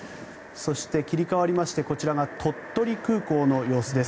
そして切り替わりましてこちらが鳥取空港の様子です。